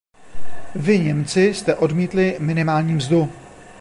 Vy Němci jste odmítli minimální mzdu.